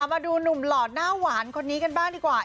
มาดูหนุ่มหล่อหน้าหวานคนนี้กันบ้างดีกว่า